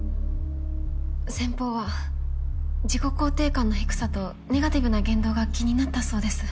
先方は自己肯定感の低さとネガティブな言動が気になったそうです。